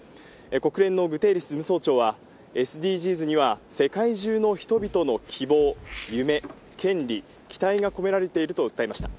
国連のグテーレス事務総長は、ＳＤＧｓには世界中の人々の希望、夢、権利、期待が込められていると訴えました。